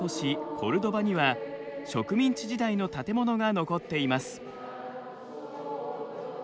コルドバには植民地時代の建物が残っています。